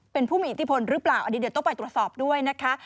เป็นผู้มีอิทธิพลหรือเปล่าอันนี้เดี๋ยวต้องไปตรวจสอบด้วยนะคะ